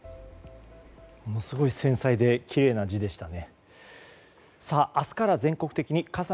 ものすごく繊細できれいな字でしたね。